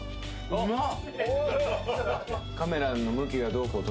うまっ！